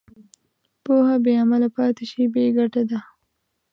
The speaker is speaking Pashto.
پوهه بېعمله پاتې شي، بېګټې ده.